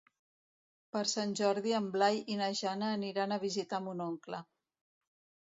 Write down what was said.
Per Sant Jordi en Blai i na Jana aniran a visitar mon oncle.